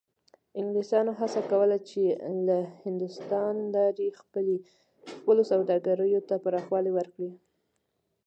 انګلیسانو هڅه کوله چې له هندوستان لارې خپلو سوداګریو ته پراخوالی ورکړي.